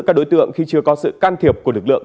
các đối tượng khi chưa có sự can thiệp của lực lượng